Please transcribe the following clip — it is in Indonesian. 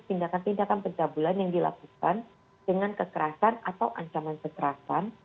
tindakan tindakan pencabulan yang dilakukan dengan kekerasan atau ancaman kekerasan